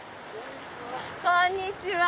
こんにちは。